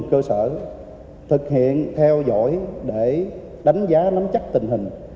cơ sở thực hiện theo dõi để đánh giá nắm chắc tình hình